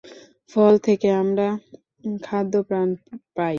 ফল থেকে আমরা খ্যাদ্যপ্রাণ পাই।